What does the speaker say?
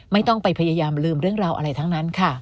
ไม่ต้องไปพยายามลืมเรื่องราวอะไรทั้งนั้นค่ะ